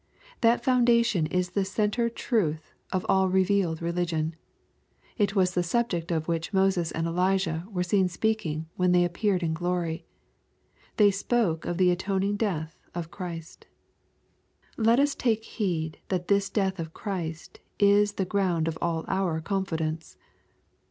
That foundation is the centre truth of all revealed religion. It was the subject of which Moses and Elijah were seen speaking when they appeared in glory. They spoke of the aton ing death of Christ. Let us take heed that this death of Christ is the ground of all our confidence.